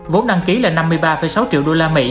vốn đăng ký là năm mươi ba sáu triệu usd